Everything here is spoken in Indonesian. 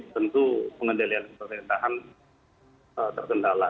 tentu pengendalian kebeneranitahan terkendala